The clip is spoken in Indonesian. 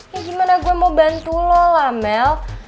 ya gimana gue mau bantu lo lah mel